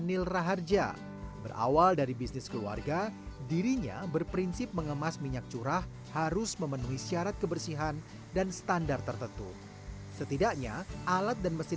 yang terpenting minyak selamat